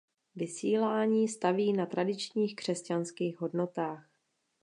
Vysílání staví na tradičních křesťanských hodnotách.